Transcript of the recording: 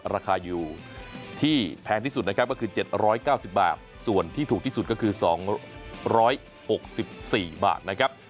ราคาอยู่ที่แพงที่สุดนะครับก็คือ๗๙๐บาทส่วนที่ถูกที่สุดก็คือ๒๖๔บาทนะครับ